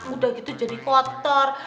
udah gitu jadi kotor